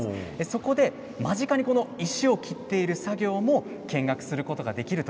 そこで間近に石を切っている作業も見学することができる